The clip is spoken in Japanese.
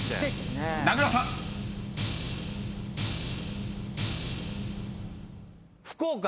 ［名倉さん］福岡。